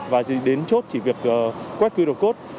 và đến chốt chỉ việc quét qr code